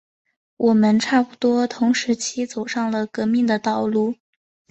我们差不多同时期走上了革命的道路。